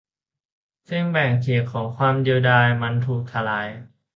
เส้นแบ่งของความเดียวดายมันถูกทลาย